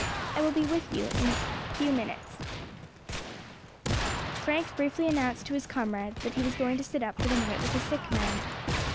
I will be with you in ten minutes." Frank briefly announced to his comrades that he was going to sit up for the night with a sick man.